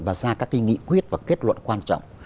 và ra các nghị quyết và kết luận quan trọng